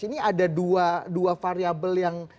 ini ada dua variable yang